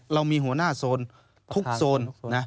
เรามีหัวหน้าโซนทุกโซน